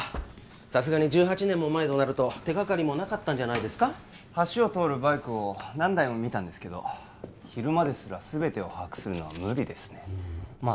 さすがに１８年も前となると手がかりもなかったんじゃ橋を通るバイクを何台も見たんですけど昼間ですらすべてを把握するのは無理ですねまあ